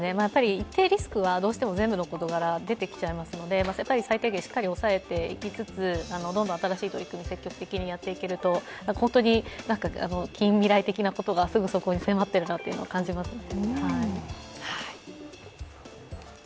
一定リスクはどうしても全部の事柄、出てきちゃいますのでやっぱり最低限しっかり押さえていきつつ、新しい取り組み積極的にやっていけると本当に近未来的なことがすぐそこに迫っているなと感じますね。